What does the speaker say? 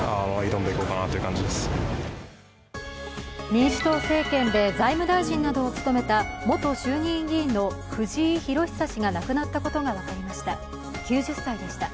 民主党政権で財務大臣などを務めた元衆議院議員の藤井裕久氏が亡くなったことが分かりました。